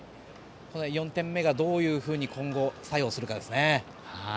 ４点目がどう今後、作用するかですね。